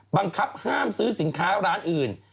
บังคับห้ามซื้อสินค้าร้านอื่น